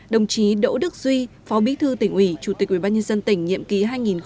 đồng chí đỗ đức duy phó bí thư tỉnh ủy chủ tịch ubnd tỉnh nhiệm kỳ hai nghìn một mươi sáu hai nghìn hai mươi một